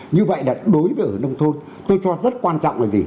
như vậy là đối với ở nông thôn tôi cho rất quan trọng là gì